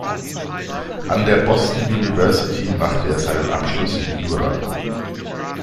An der Boston University machte er seinen Abschluss in Jura.